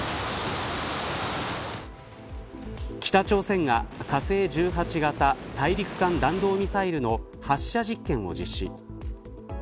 北朝鮮が火星１８型大陸間弾道ミサイルの発射実験を実施。